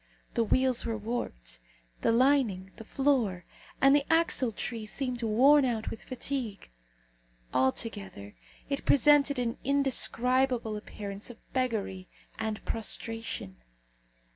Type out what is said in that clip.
The wheels were warped. The lining, the floor, and the axletrees seemed worn out with fatigue. Altogether, it presented an indescribable appearance of beggary and prostration.